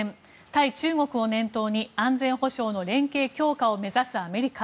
対中国を念頭に安全保障の連携強化を目指すアメリカ。